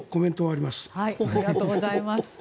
ありがとうございます。